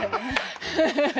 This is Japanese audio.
ハハハハッ！